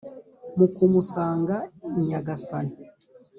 mu kumusanga nya-gasani !